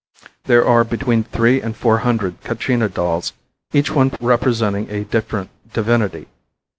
There are between three and four hundred Katcina dolls each one representing a different divinity.